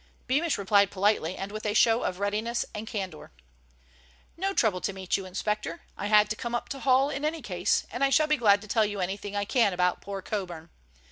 Beamish replied politely and with a show of readiness and candor. "No trouble to meet you, inspector. I had to come up to Hull in any case, and I shall be glad to tell you anything I can about poor Coburn.